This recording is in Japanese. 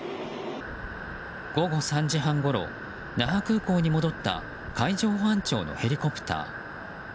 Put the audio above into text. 午後３時半ごろ那覇空港に戻った海上保安庁のヘリコプター。